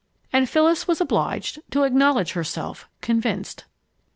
And Phyllis was obliged to acknowledge herself convinced.